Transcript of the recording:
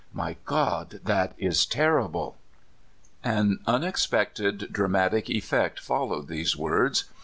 My God ! this is terrible !" An unexpected dramatic effect followed these w^ords.